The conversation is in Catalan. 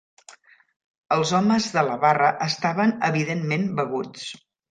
Els homes de la barra estaven evidentment beguts.